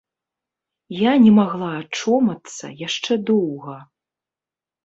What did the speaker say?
Я не магла ачомацца яшчэ доўга.